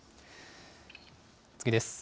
次です。